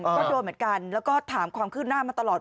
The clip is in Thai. ก็โดนเหมือนกันแล้วก็ถามความคืบหน้ามาตลอด